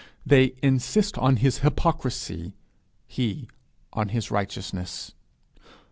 They insist on his hypocrisy, he on his righteousness.